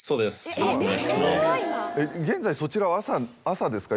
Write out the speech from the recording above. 現在そちらは朝ですか？